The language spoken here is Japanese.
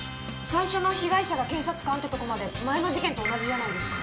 最初の被害者が警察官というところまで前の事件と同じじゃないですか。